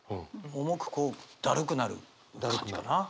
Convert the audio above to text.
重くこうだるくなる感じかな。